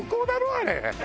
あれ。